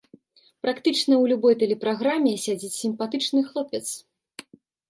Практычна ў любой тэлепраграме сядзіць сімпатычны хлопец.